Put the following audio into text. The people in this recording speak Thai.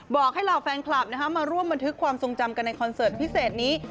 บอกให้เหล่าแฟนคลับมาร่วมบันทึกความทรงจำกันในคอนเสิร์ตพิเศษนี้